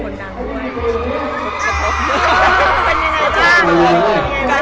เป็นยังไงบ้าง